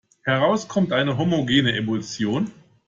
Heraus kommt eine homogene Emulsion.